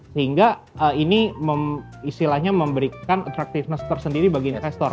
sehingga ini istilahnya memberikan attractiveness tersendiri bagi investor